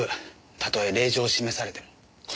たとえ令状を示されても断ります。